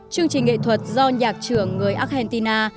chương trình nghệ thuật do nhạc trưởng người argentina